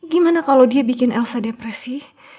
gimana kalau dia bikin elsa depresi